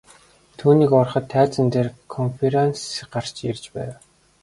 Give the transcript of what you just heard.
Түүнийг ороход тайзан дээр КОНФЕРАНСЬЕ гарч ирж байв.